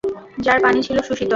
যার পানি ছিল সুশীতল।